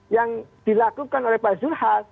yang dilakukan oleh pak zulkifli hasan